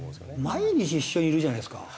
毎日一緒にいるじゃないですか。